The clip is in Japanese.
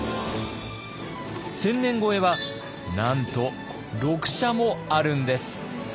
千年超えはなんと６社もあるんです。